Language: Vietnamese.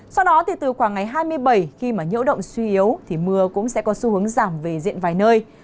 sau đó thì từ khoảng ngày hai mươi bảy khi mà nhiễu động suy yếu thì mưa cũng sẽ có xu hướng giảm về diện vài nơi